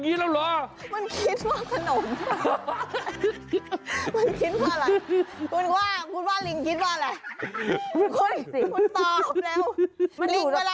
กินของเปรี้ยวแหละ